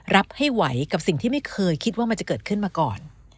รับให้ไหวกับสิ่งที่ไม่เคยคิดว่ามันจะเกิดขึ้นมาก่อน